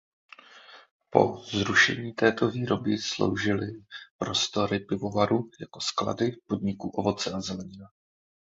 Po zrušení této výroby sloužily prostory pivovaru jako sklady podniku Ovoce a zelenina.